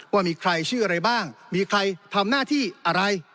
ว่ามีใครชื่ออะไรบ้างมีใครทำหน้าที่อะไร